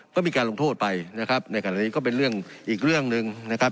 ก็มีการลงโทษไปนะครับในขณะนี้ก็เป็นเรื่องอีกเรื่องหนึ่งนะครับ